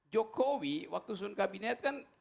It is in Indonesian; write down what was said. jokowi waktu susun kabinet kan